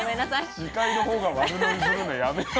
司会のほうが悪ノリするのやめよう。